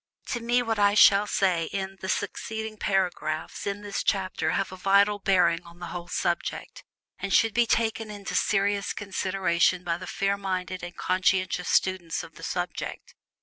To me what I shall say in the succeeding paragraphs of this chapter have a vital bearing on the whole subject, and should be taken into serious consideration by the fair minded and conscientious student of the subject.